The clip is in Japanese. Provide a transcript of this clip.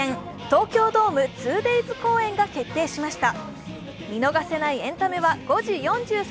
東京ドーム２デイズ公演が決定しました。